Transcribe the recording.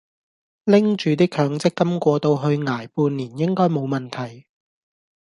拎住啲強積金過到去捱半年應該冇問題